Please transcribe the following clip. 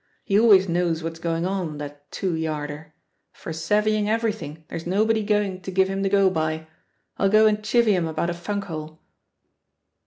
He always knows what's going on, that two yarder! For savvying everything, there's nobody going to give him the go by! I'll go and chivvy him about a funk hole."